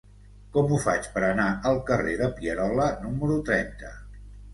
Com ho faig per anar al carrer de Pierola número trenta?